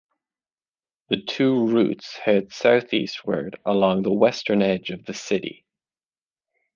The two routes head southeastward along the western edge of the city.